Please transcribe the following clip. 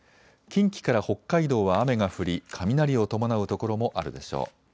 近畿から北海道は雨が降り雷を伴う所もあるでしょう。